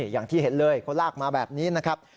อย่างที่เห็นเลยเขาลากมาแบบนี้นะครับ